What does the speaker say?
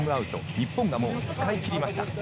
日本がもう使い切りました。